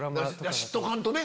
知っとかんとね。